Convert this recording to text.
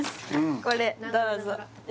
これどうぞええ！？